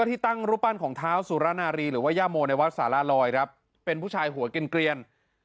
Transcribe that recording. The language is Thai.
ที่ตั้งรูปปั้นของเท้าสุรนารีหรือว่าย่าโมในวัดสารลอยครับเป็นผู้ชายหัวกินเกลียน